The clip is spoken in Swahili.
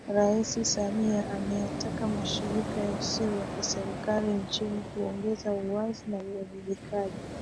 Rais Samia ameyataka Mashirika Yasiyo ya Kiserikali nchini kuongeza uwazi na uwajibikaji